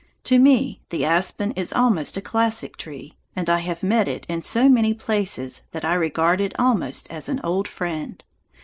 To me the aspen is almost a classic tree, and I have met it in so many places that I regard it almost as an old friend.